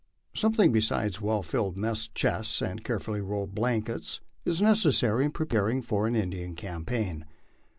Something besides well filled mess chests and carefully rolled blank ets is necessary in preparing for an Indian campaign.